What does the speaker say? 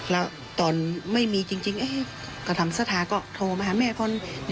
แล้วตอนไม่มีจริงก็ทำสถาก็โทรมาหาแม่คน